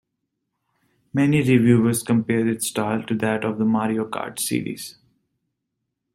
Many reviewers compared its style to that of the "Mario Kart" series.